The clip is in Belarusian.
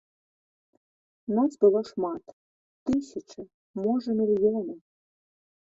Нас было шмат, тысячы, можа, мільёны.